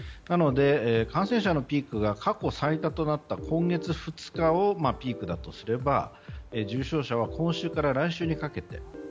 なので、感染者のピークが過去最多となった今月２日をピークだとすれば重症者は今週から来週にかけて。